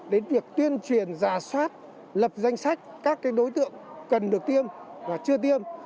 đến việc tuyên truyền giả soát lập danh sách các đối tượng cần được tiêm và chưa tiêm